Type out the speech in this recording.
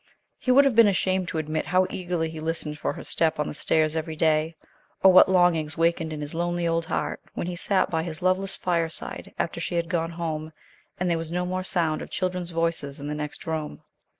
He would have been ashamed to admit how eagerly he listened for her step on the stairs every day, or what longings wakened in his lonely old heart, when he sat by his loveless fireside after she had gone home, and there was no more sound of children's voices in the next room.